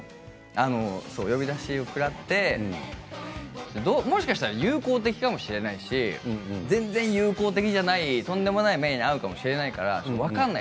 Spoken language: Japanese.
呼び出しを食らってもしかしたら友好的かもしれないし全然、友好的じゃないとんでもない目に遭うかもしれないから分からない。